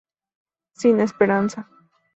Sin esperanza.